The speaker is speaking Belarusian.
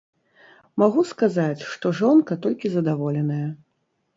Магу сказаць, што жонка толькі задаволеная.